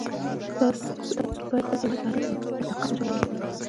تاسو باید د خپل هېواد تاریخ په دقت سره ولولئ.